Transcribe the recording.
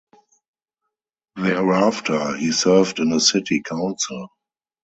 Thereafter, he served in a city council.